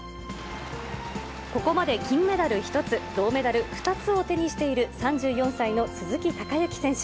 ここまで金メダル１つ、銅メダル２つを手にしている３４歳の鈴木孝幸選手。